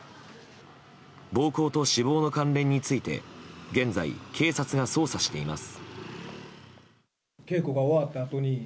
暴行と死亡の関連について現在、警察が捜査しています。